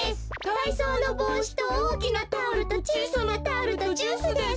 たいそうのぼうしとおおきなタオルとちいさなタオルとジュースです。